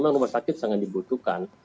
memang rumah sakit sangat dibutuhkan